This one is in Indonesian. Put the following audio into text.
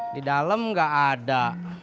di dalam gak ada